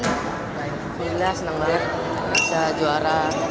semoga senang bisa juara